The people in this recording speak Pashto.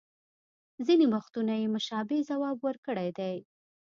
ځینې وختونه یې مشابه ځواب ورکړی دی